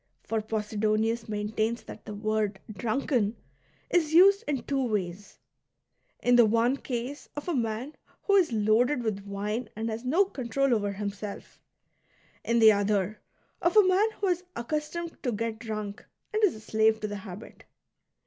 For Posidonius maintains that the word "drunken" is used in two ways, — in the one case of a man who is loaded with wine and has no control over himself; in the other, of a man who is accustomed to get drunk, and is a slave to the habit.